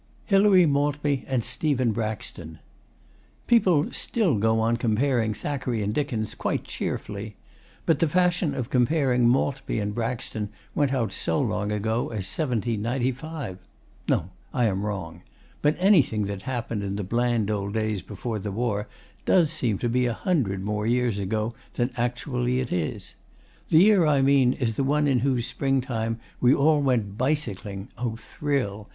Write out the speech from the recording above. HILARY MALTBY AND STEPHEN BRAXTON People still go on comparing Thackeray and Dickens, quite cheerfully. But the fashion of comparing Maltby and Braxton went out so long ago as 1795. No, I am wrong. But anything that happened in the bland old days before the war does seem to be a hundred more years ago than actually it is. The year I mean is the one in whose spring time we all went bicycling (O thrill!)